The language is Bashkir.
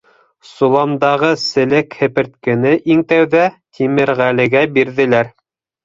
Соландағы селек һеперткене иң тәүҙә Тимерғәлегә бирҙеләр: